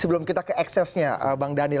sebelum kita ke eksesnya bang daniel